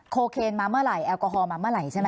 เคนมาเมื่อไหร่แอลกอฮอลมาเมื่อไหร่ใช่ไหม